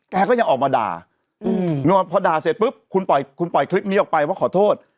แกก็ยังออกมาด่าพอด่าเสร็จปุ๊บคุณปล่อยคุณปล่อยคลิปนี้ออกไปว่าขอโทษ